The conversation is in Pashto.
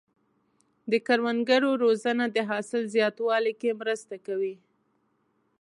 د کروندګرو روزنه د حاصل زیاتوالي کې مرسته کوي.